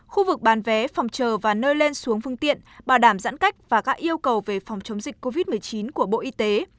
khu vực bán vé phòng chờ và nơi lên xuống phương tiện bảo đảm giãn cách và các yêu cầu về phòng chống dịch covid một mươi chín của bộ y tế